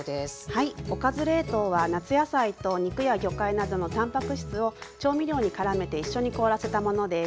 はい「おかず冷凍」は夏野菜と肉や魚介などのたんぱく質を調味料にからめて一緒に凍らせたものです。